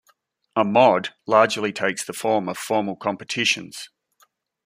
A Mod largely takes the form of formal competitions.